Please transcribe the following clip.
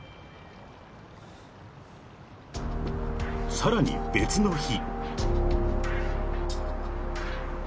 ［さらに別の日］